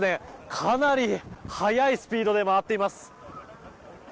かなり速いスピードで回っています。